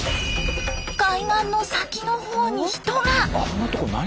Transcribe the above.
海岸の先のほうに人が！